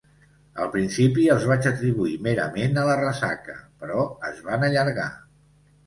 Al principi els vaig atribuir merament a la ressaca, però es van allargar.